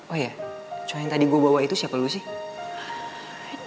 oh ya cuma yang tadi gue bawa itu siapa lu sih